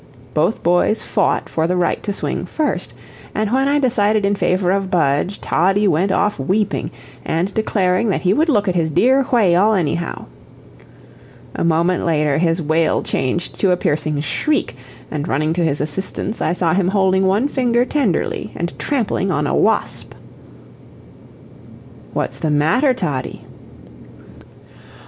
Both boys fought for the right to swing first, and when I decided in favor of Budge, Toddie went off weeping, and declaring that he would look at his dear whay al anyhow. A moment later his wail changed to a piercing shriek; and running to his assistance, I saw him holding one finger tenderly and trampling on a wasp. "What's the matter, Toddie?"